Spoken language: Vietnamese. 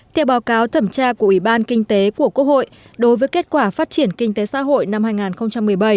theo báo cáo thẩm tra của ủy ban kinh tế của quốc hội đối với kết quả phát triển kinh tế xã hội năm hai nghìn một mươi bảy